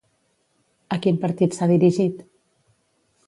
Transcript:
A quin partit s'ha dirigit?